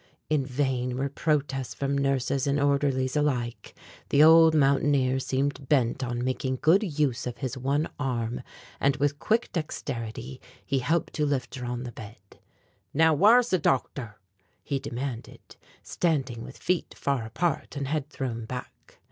In vain were protests from nurses and orderlies alike, the old mountaineer seemed bent on making good use of his one arm and with quick dexterity he helped to lift her on the bed. "Now, whar's the doctor?" he demanded, standing with feet far apart and head thrown back.